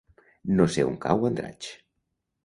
No sé on cau Andratx.